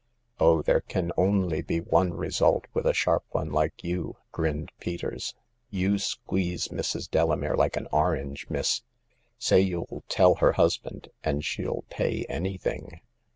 " Oh, there can only be one result with a sharp one like you," grinned Peters. " You squeeze Mrs. Delamere like an orange, miss. Say you'll tell her husband, and she'll pay anything.